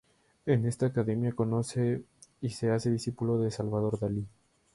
En esta academia conoce y se hace discípulo de Salvador Dalí.